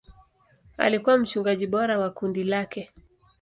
Alikuwa mchungaji bora wa kundi lake.